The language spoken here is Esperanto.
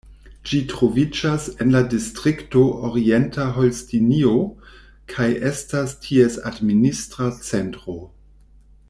Ĝi troviĝas en la distrikto Orienta Holstinio, kaj estas ties administra centro.